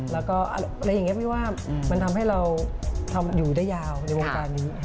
แล้วก็อะไรอย่างนี้ไม่ว่ามันทำให้เราอยู่ได้ยาวในวงการนี้